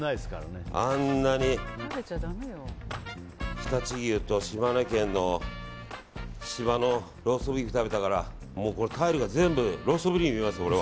あんなに常陸牛と島根県のローストビーフを食べたからタイルが全部ローストビーフに見えます。